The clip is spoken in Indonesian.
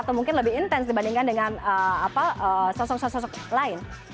atau mungkin lebih intens dibandingkan dengan sosok sosok lain